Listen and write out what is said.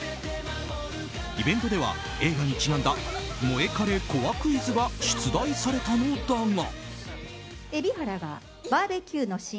イベントでは映画にちなんだモエカレコアクイズが出題されたのだが。